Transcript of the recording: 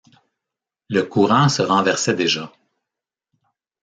Le courant se renversait déjà.